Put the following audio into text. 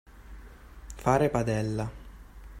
Fare padella.